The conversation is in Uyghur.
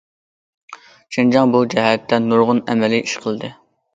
شىنجاڭ بۇ جەھەتتە نۇرغۇن ئەمەلىي ئىش قىلدى.